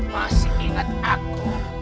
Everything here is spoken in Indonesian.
masih ingat aku